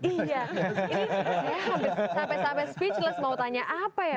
ini saya habis sampai sampai speechless mau tanya apa ya